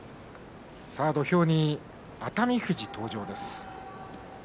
土俵に熱海富士、登場です。